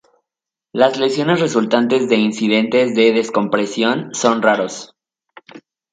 Las lesiones resultantes de incidentes de descompresión son raros.